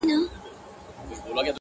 • شمع چي لمبه نه سي رڼا نه وي,